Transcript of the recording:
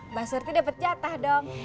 mbak surti dapat jatah dong